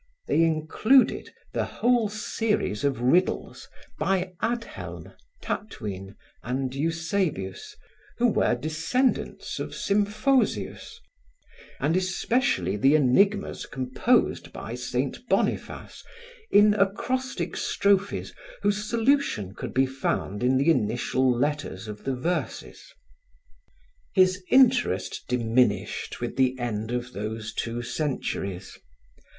They included the whole series of riddles by Adhelme, Tatwine and Eusebius, who were descendants of Symphosius, and especially the enigmas composed by Saint Boniface, in acrostic strophes whose solution could be found in the initial letters of the verses. His interest diminished with the end of those two centuries.